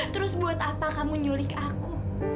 terus buat apa kamu nyulik aku